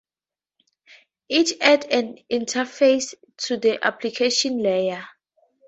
It adds an interface to the application layer.